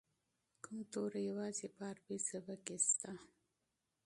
کوم توري یوازې په عربي ژبه کې شته؟